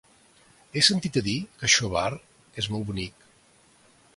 He sentit a dir que Xóvar és molt bonic.